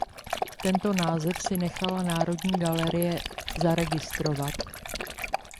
Tento název si nechala Národní galerie zaregistrovat.